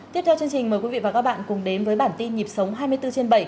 tiếp theo chương trình mời quý vị và các bạn cùng đến với bản tin nhịp sống hai mươi bốn trên bảy